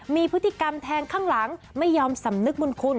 มีพฤติกรรมแทงข้างหลังไม่ยอมสำนึกบุญคุณ